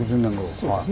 そうですね